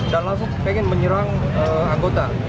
dan langsung pengen menyerang anggota